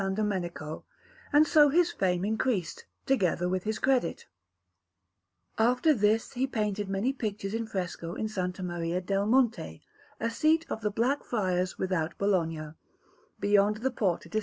Domenico; and so his fame increased, together with his credit. After this he painted many pictures in fresco in S. Maria del Monte, a seat of the Black Friars without Bologna, beyond the Porta di S.